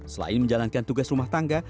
selain menjalankan tugas rumah tangga